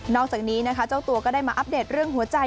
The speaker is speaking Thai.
อกจากนี้นะคะเจ้าตัวก็ได้มาอัปเดตเรื่องหัวใจ